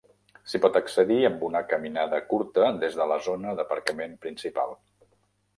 S'hi pot accedir amb una caminada curta des de la zona d'aparcament principal.